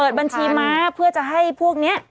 บัญชีม้าเพื่อจะให้พวกนี้